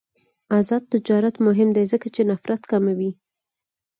آزاد تجارت مهم دی ځکه چې نفرت کموي.